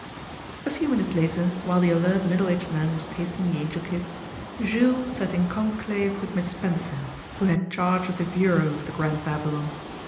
A few minutes later, while the alert, middle aged man was tasting the Angel Kiss, Jules sat in conclave with Miss Spencer, who had charge of the bureau of the Grand Babylon.